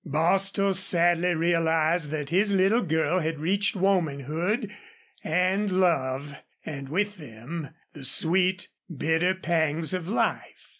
Bostil sadly realized that his little girl had reached womanhood and love, and with them the sweet, bitter pangs of life.